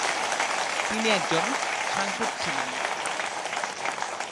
তিনি একজন সাংসদ ছিলেন।